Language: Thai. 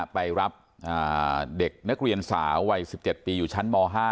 ไปรับอ่านเด็กนักเรียนสาววัยสิบเจ็ดปีอยู่ชั้นม๕